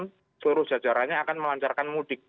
dan memastikan seluruh jajarannya akan melancarkan mudik